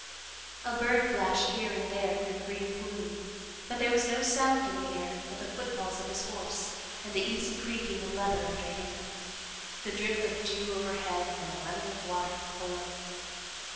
A bird flashed here and there through the green gloom, but there was no sound in the air but the footfalls of his horse and the easy creaking of leather under him, the drip of dew overhead and the running of water below.